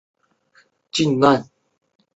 中文版由尖端出版发行。